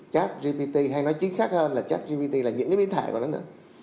trashcbt hay nói chính xác hơn là trashcbt là những cái biến thể của nước